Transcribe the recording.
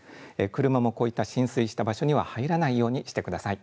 車もこういった浸水した場所には入らないようにしてください。